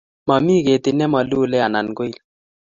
mami ketit ne ma luli anan koil